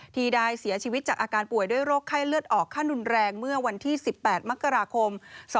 ที่ได้เสียชีวิตจากอาการป่วยด้วยโรคไข้เลือดออกขั้นรุนแรงเมื่อวันที่๑๘มกราคม๒๕๖๒